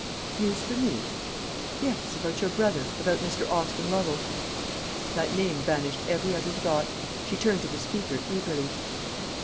"News for me?" "Yes; about your brother about Mr. Austin Lovel." That name banished every other thought. She turned to the speaker eagerly.